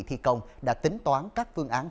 thi công đã tính toán các phương án